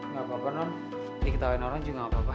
gak apa apa non diketahui orang juga gak apa apa